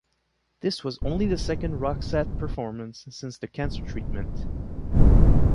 This was only the second Roxette performance since the cancer treatment.